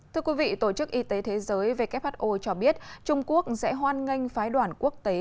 thưa quý vị tổ chức y tế thế giới who cho biết trung quốc sẽ hoan nghênh phái đoàn quốc tế